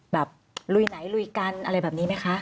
ลุยไหนลุยกันอะไรแบบนี้ไหมคะ